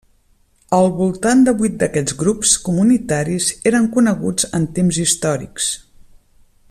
Al voltant de vuit d'aquests grups comunitaris eren coneguts en temps històrics.